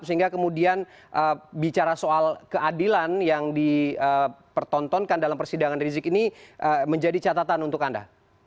sehingga kemudian bicara soal keadilan yang dipertontonkan dalam persidangan rizik ini menjadi catatan untuk anda